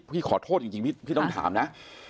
พี่ขอโทษจริงพี่ต้องถามนะ